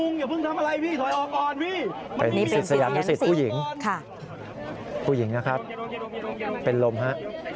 นี่เป็นศิษยานุสิทธิ์ผู้หญิงผู้หญิงนะครับเป็นลมฮะ